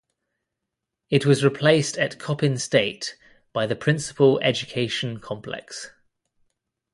It was replaced at Coppin State by the Physical Education Complex.